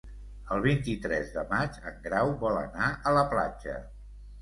El vint-i-tres de maig en Grau vol anar a la platja.